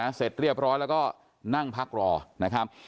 เสร็จเรียบร้อยแล้วก็นั่งพักรอนะครับ